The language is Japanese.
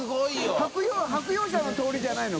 白洋舍」の通りじゃないの？